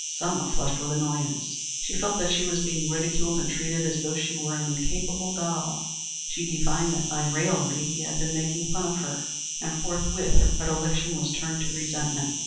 Selma flushed with annoyance. She felt that she was being ridiculed and treated as though she were an incapable doll. She divined that by his raillery he had been making fun of her, and forthwith her predilection was turned to resentment.